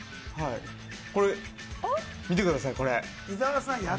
見てくださいこれ。